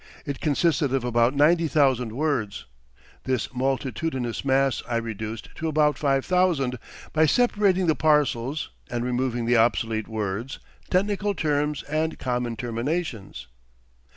It consisted of about ninety thousand words. This multitudinous mass I reduced to about five thousand, by separating the parcels, and removing the obsolete words, technical terms, and common terminations."